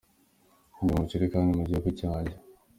Ndi umukire kandi mu gihugu cyanjye.